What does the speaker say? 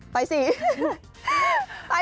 ไปซิ